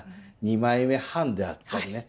二枚目半であったりね